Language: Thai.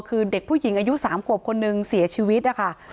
คือเด็กผู้หญิงอายุ๓ขวบคนนึงเสียชีวิตนะคะ